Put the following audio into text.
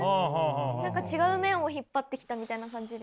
何か違う面を引っ張ってきたみたいな感じで。